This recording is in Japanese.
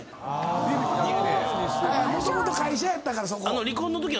もともと会社やったからそこ。